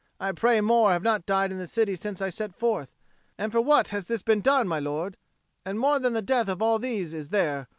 I pray more have not died in the city since I set forth. And for what has this been done, my lord? And more than the death of all these is there.